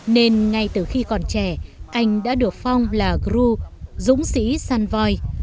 nên ngay từ khi còn trẻ anh đã được phong là gru dũng sĩ san voi